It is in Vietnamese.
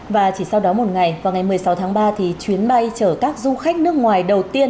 và chỉ sau đó một ngày vào ngày một mươi sáu tháng ba thì chuyến bay chở các du khách nước ngoài đầu tiên